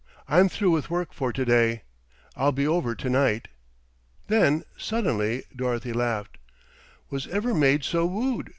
I'm through with work for to day. I'll be over to night." Then suddenly Dorothy laughed. "Was ever maid so wooed?"